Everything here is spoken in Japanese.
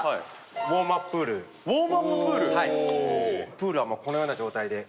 プールはこのような状態で。